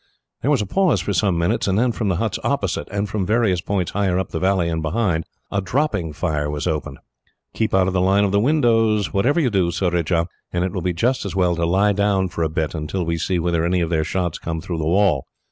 There was a pause for some minutes, and then, from the huts opposite, and from various points higher up the valley and behind, a dropping fire was opened. "Keep out of the line of the windows, whatever you do, Surajah; and it will be just as well to lie down for a bit, until we see whether any of their shots come through the wall.